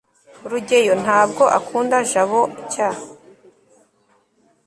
rugeyo ntabwo akunda jabo cy